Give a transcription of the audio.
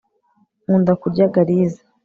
nkunda kurya garizi